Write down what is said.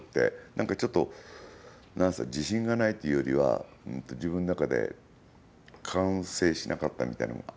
なんかちょっと自信がないというよりは自分の中で完成しなかったみたいな。